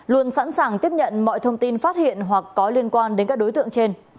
luôn sẵn sàng tiếp nhận mọi thông tin phát hiện hoặc có liên quan đến các đối tượng trên